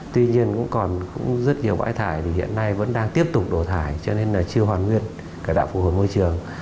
tuy nhiên rất nhiều bãi thải hiện nay vẫn đang tiếp tục đổ thải cho nên chưa hoàn nguyên cả đạo phù hợp môi trường